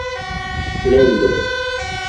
plendo